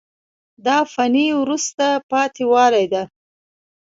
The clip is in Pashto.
دا فني وروسته پاتې والی ده.